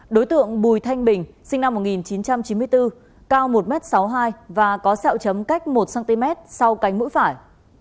đối tượng bùi thanh bình sinh năm một nghìn chín trăm chín mươi bốn cao một m sáu mươi hai và có sẹo chấm cách một cm sau cánh mũi phải